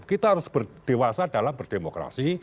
kita harus berdewasa dalam berdemokrasi